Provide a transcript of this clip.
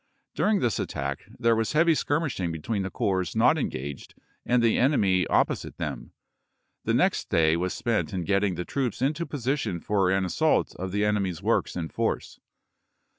During this attack there was heavy skirmishing between the corps not engaged and the enemy op posite them. The next day was spent in getting the troops into position for an assault of the enemy's works in force.